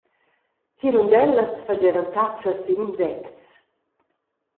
Hirundellas fagevan catscha sin insects.